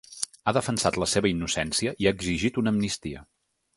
Ha defensat la seva innocència i ha exigit una amnistia.